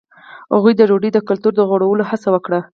هغوی د ډوډۍ د کلتور د غوړولو هڅه وکړه.